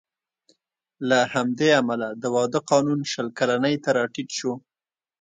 له همدې امله د واده قانون شل کلنۍ ته راټیټ شو